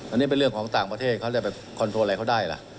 อันนี้เป็นเรื่องของต่างประเทศเขาจะไปคอนโทรอะไรเขาได้ล่ะ